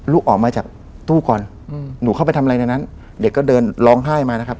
ออกมาจากตู้ก่อนอืมหนูเข้าไปทำอะไรในนั้นเด็กก็เดินร้องไห้มานะครับ